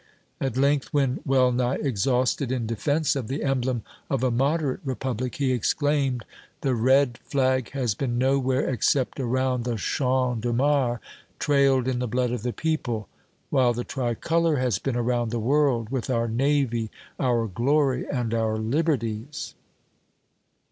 At length, when well nigh exhausted in defence of the emblem of a moderate Republic, he exclaimed: "The red flag has been nowhere except around the Champ de Mars, trailed in the blood of the people, while the tri color has been around the world with our navy, our glory and our liberties!"